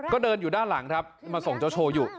ก็เดินอยู่ด้านหลังครับมาส่งเจ้าโชว์อยู่